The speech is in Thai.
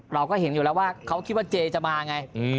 เราก็เห็นอยู่แล้วว่าเขาคิดว่าเจจะมาไง